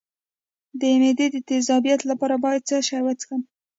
د معدې د تیزابیت لپاره باید څه شی وڅښم؟